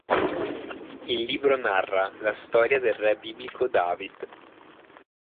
Il libro narra la storia del re biblico David.